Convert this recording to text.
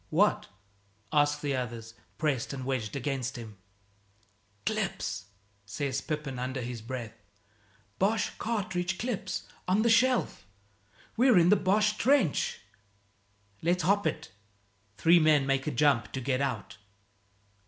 "What?" ask the others, pressed and wedged against him. "Clips!" says Pepin under his breath, "Boche cartridge clips on the shelf! We're in the Boche trench!" "Let's hop it." Three men make a jump to get out.